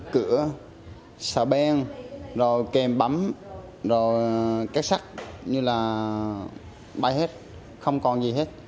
cửa sạc bèn rồi kèm bấm rồi kết sắt như là bay hết không còn gì hết